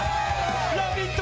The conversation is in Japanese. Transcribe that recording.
「ラヴィット！」